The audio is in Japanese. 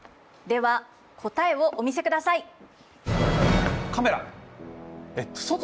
では答えをお見せください。